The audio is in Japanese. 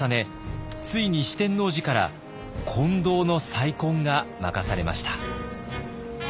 ついに四天王寺から金堂の再建が任されました。